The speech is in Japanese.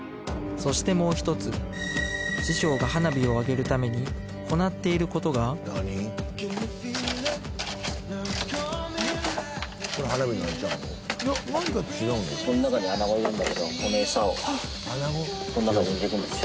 そしてもう一つ師匠が花火を上げるために行っていることがこの中にアナゴ入れるんだけどこのエサをこの中に入れるんですよ